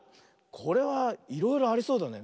これはいろいろありそうだね。